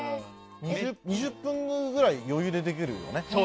２０分ぐらい余裕でできるよね。